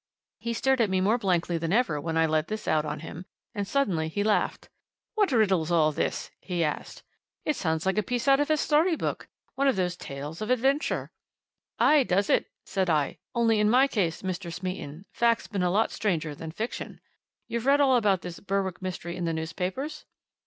He stared at me more blankly than ever when I let this out on him, and suddenly he laughed. "What riddle's all this?" he asked. "It sounds like a piece out of a story book one of those tales of adventure." "Aye, does it?" said I. "Only, in my case, Mr. Smeaton, fact's been a lot stranger than fiction! You've read all about this Berwick mystery in the newspapers?"